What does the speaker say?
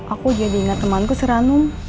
aku jadi ingat temanku si ranum